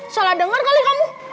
salah dengar kali kamu